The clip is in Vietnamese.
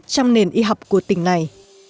trong nền y học của tỉnh này